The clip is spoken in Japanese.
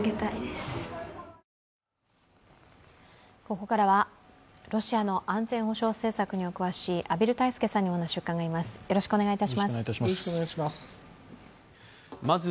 ここからはロシアの安全保障政策にお詳しい畔蒜泰助さんにお話を伺います。